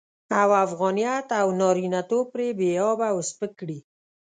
او افغانيت او نارينه توب پرې بې آبه او سپک کړي.